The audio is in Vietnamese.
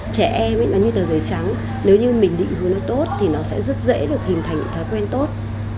trẻ em ấy nó như tờ giấy sáng nếu như mình định hướng nó tốt thì nó sẽ rất dễ được hình thành những thói quen tốt